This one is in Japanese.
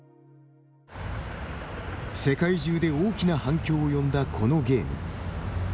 世界中で大きな反響を呼んだこのゲーム。